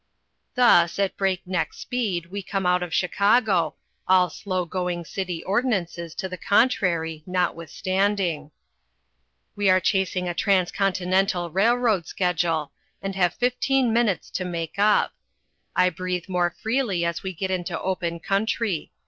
Thus, at break neck speed, we come out of Chicago, all slow going city ordinances to the contrary notwithstanding. We are chasing a transcontinental record schedule, and have fifteen minutes to make up. I breathe more freely as we get into open country.